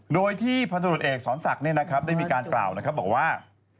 โดยที่พันธุรกิจเอกสอนศักดิ์ได้มีการกล่าวนะครับบอกว่า